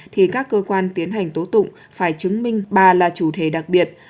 thì các cơ quan tiến hành tố tụng phải chứng minh bà là chủ thể đặc biệt